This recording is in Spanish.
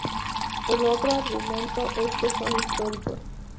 El otro argumento es que son históricos.